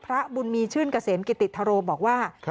พระบุญมีชื่นเกษมกิติธโรบอกว่า